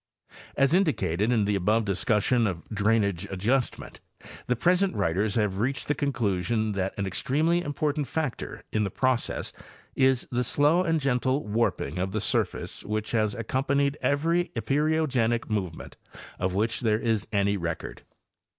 As indicated in the above discussion of drainage adjustment, the present writers have reached the conclusion that an ex tremely important factor in the process is the slow and gentle warping of the surface which has accompanied every epeirogenic movement of which there is any record.